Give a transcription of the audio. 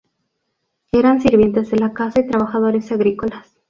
Eran sirvientes de la casa y trabajadores agrícolas.